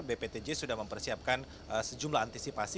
bptj sudah mempersiapkan sejumlah antisipasi